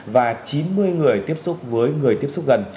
và chín mươi người tiếp xúc với người tiếp xúc gần